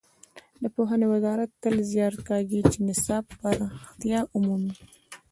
د پوهنې وزارت تل زیار کاږي چې نصاب پراختیا ومومي.